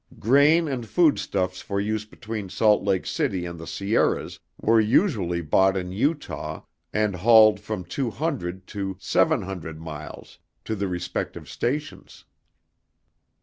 Grain and food stuffs for use between Salt Lake City and the Sierras were usually bought in Utah and hauled from two hundred to seven hundred miles to the respective stations.